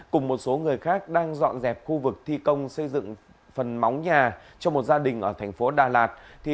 cùng một số người khác đang dọn dẹp khu vực thi công xây dựng phần móng nhà cho một gia đình ở thành phố đà lạt